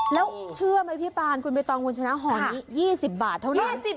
แล้วเชื่อมั้ยพี่ปานคุณไปต่อเงินชนะหอนี้๒๐บาทเท่านี้